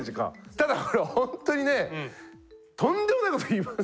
ただこれほんとにねとんでもないこと言います。